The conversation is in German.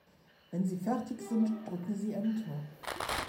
Wenn Sie fertig sind, drücken Sie Enter.